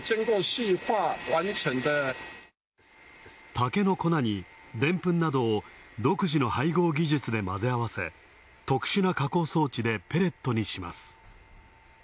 竹の粉にでんぷんなどを独自の配合技術で混ぜ合わせ、特殊な加工装置でペレットにします。